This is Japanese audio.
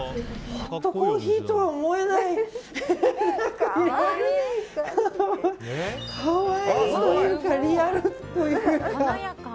ホットコーヒーとは思えない可愛いというかリアルというか。